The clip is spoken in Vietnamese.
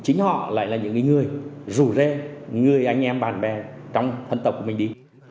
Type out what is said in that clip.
chính họ lại là những người rủ rê người anh em bạn bè trong thân tộc của mình đi